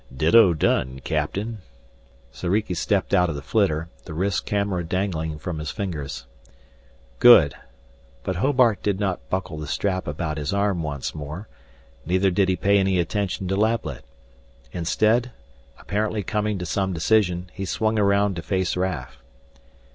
"Ditto done, Captain." Soriki stepped out of the flitter, the wrist camera dangling from his fingers. "Good." But Hobart did not buckle the strap about his arm once more, neither did he pay any attention to Lablet. Instead, apparently coming to some decision, he swung around to face Raf.